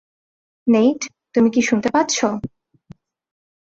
Neat, তুমি কি শুনতে পাচ্ছ?